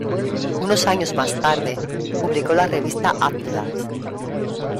Unos años más tarde, publicó la revista "Atlas".